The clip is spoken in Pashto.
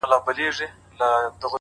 چا ته دم چا ته دوا د رنځ شفا سي.